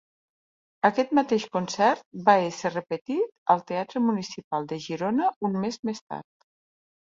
Aquest mateix concert va ésser repetit al Teatre Municipal de Girona un mes més tard.